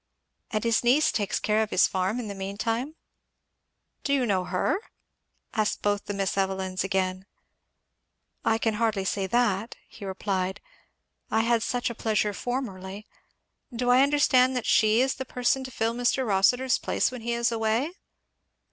"And his niece takes care of his farm in the meantime?" "Do you know her?" asked both the Miss Evelyns again. "I can hardly say that," he replied. "I had such a pleasure formerly. Do I understand that she is the person to fill Mr. Rossitur's place when he is away?"